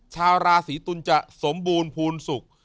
ชาวราศีตุลจะสมบูรณ์ภูมิสุข